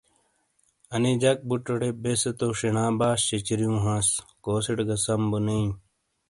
آنے جک بوٹوٹے بیسے تو شینا باش سِیچاریوں ہانس کوسیٹے گہ سم بو نے اِیں ۔